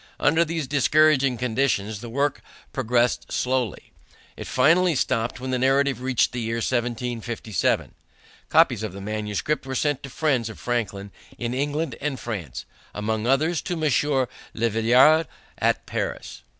Under these discouraging conditions the work progressed slowly. It finally stopped when the narrative reached the year 1757. Copies of the manuscript were sent to friends of Franklin in England and France, among others to Monsieur Le Veillard at Paris.